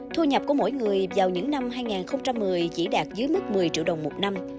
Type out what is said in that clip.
thu nhập của mỗi người vào những năm hai nghìn một mươi chỉ đạt dưới mức một mươi triệu đồng một năm